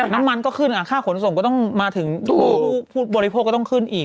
น้ำมันก็ขึ้นค่าขนส่งก็ต้องมาถึงผู้บริโภคก็ต้องขึ้นอีก